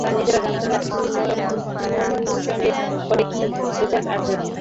তারা নিজেরাও জানতেন না মিউটেশনের ফলে কী রেজাল্ট আসবে।